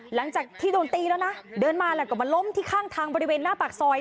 หลังจากที่โดนตีแล้วนะเดินมาแล้วก็มาล้มที่ข้างทางบริเวณหน้าปากซอย